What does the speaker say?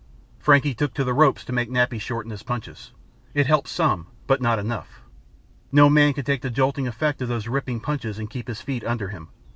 Frankie took to the ropes to make Nappy shorten his punches. It helped some, but not enough. No man could take the jolting effect of those ripping punches and keep his feet under him.